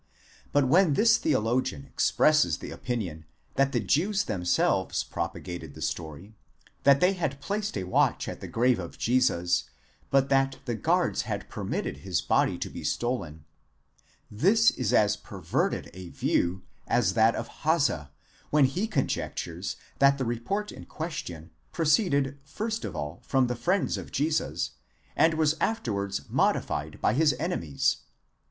But when this theolo gian expresses the opinion that the Jews themselves propagated the story, that. they had placed a watch at the grave of Jesus, but that the guards had per mitted his body to be stolen : this is as perverted a view as that of Hase, when: he conjectures that the report in question proceeded first of all from the friends of Jesus, and was afterwards modified by his enemies.